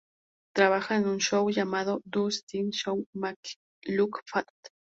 Trabaja en un show llamado "Does This Show Make Me Look Fat?